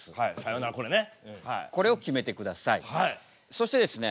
そしてですね